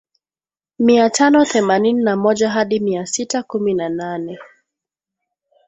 Mia tano themanini na moja hadi mia sita kumi na nane